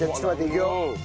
いくよ。